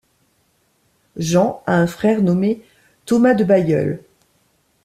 Jean a un frère nommé Thomas de Bailleul.